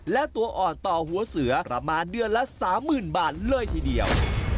และตัวอ่อนต่อหัวเสือประมาณเดือนละ๓๐๐๐บาทเลยทีเดียว